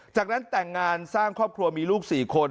จากนั้นแต่งงานสร้างครอบครัวมีลูก๔คน